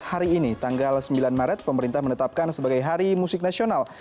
hari ini tanggal sembilan maret pemerintah menetapkan sebagai hari musik nasional